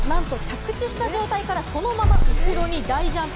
なんと着地した状態からそのまま後ろに大ジャンプ。